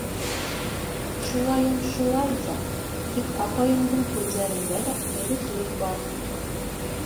Шулайын шулай ҙа, тик апайымдың һүҙҙәрендә лә дөрөҫлөк бар.